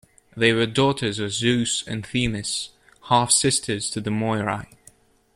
They were daughters of Zeus and Themis, half-sisters to the Moirai.